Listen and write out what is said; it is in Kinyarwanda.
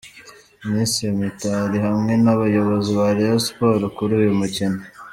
Ministre Mitali hamwe n’abayobozi ba Rayon Sports kuri uyu mukino.